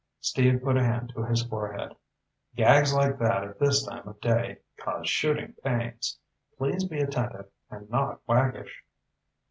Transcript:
Steve put a hand to his forehead. "Gags like that at this time of day cause shooting pains. Please be attentive, and not waggish."